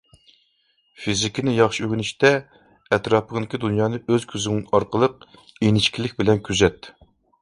فىزىكىنى ياخشى ئۆگىنىشتە، ئەتراپىڭدىكى دۇنيانى ئۆز كۆزۈڭ ئارقىلىق ئىنچىكىلىك بىلەن كۆزەت.